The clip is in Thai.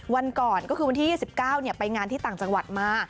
วันก่อนก็คือวันที่๒๙ไปงานที่ต่างจังหวัดมา